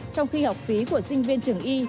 trong khi học phí của sinh viên trường y